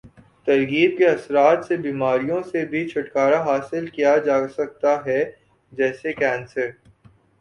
ترغیب کے اثرات سے بیماریوں سے بھی چھٹکارا حاصل کیا جاسکتا ہے جیسے کینسر